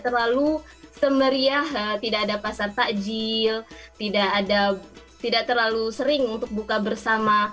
lalu semeriah tidak ada pasar takjil tidak terlalu sering untuk buka bersama